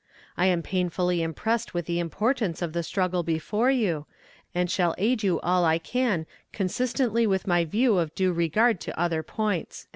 I am painfully impressed with the importance of the struggle before you, and shall aid you all I can consistently with my view of due regard to other points."